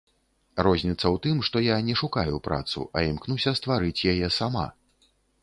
Розніца ў тым, што я не шукаю працу, а імкнуся стварыць яе сама.